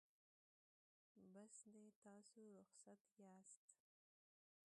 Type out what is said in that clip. بس دی تاسو رخصت یاست.